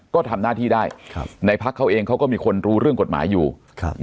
ก็ทำหน้าที่ได้ครับในพักเขาเองเขาก็มีคนรู้เรื่องกฎหมายอยู่ครับ